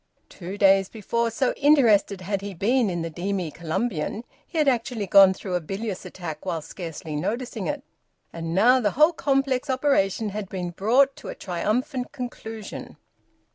Two days before, so interested had he been in the Demy Columbian, he had actually gone through a bilious attack while scarcely noticing it! And now the whole complex operation had been brought to a triumphant conclusion.